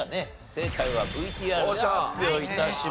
正解はＶＴＲで発表致します。